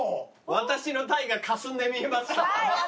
私のタイがかすんで見えました。